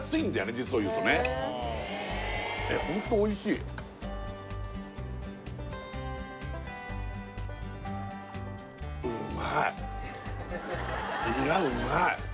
実を言うとねえっホントおいしいいやうまい！